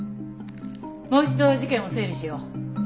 もう一度事件を整理しよう。